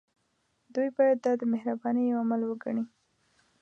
دوی باید دا د مهربانۍ يو عمل وګڼي.